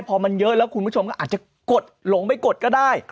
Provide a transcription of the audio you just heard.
พอมันเยอะแล้วคุณผู้ชมก็อาจจะกดหลงไปกดก็ได้